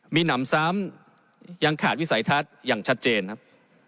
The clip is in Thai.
มีหนำซ้ำยังขาดวิสัยทัศน์อย่างชัดเจนครับ